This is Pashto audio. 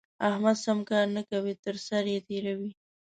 احمد سم کار نه کوي؛ تر سر يې تېروي.